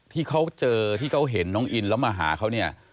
ที่เขาเจอที่เขาเห็นน้องอินแล้วมาหาเขาเนี่ย